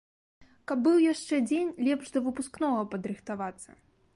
Каб быў яшчэ дзень лепш да выпускнога падрыхтавацца.